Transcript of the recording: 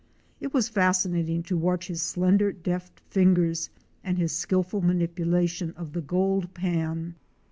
It was fascinating to watch his slender deft fingers and his skilful manipulation of the gold pan.